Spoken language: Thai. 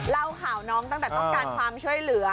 เล่าข่าวน้องตั้งแต่ต้องการความช่วยเหลือ